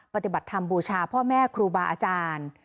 ปฏิบัติธรรมบูชาพ่อแม่ครูบาอาจารย์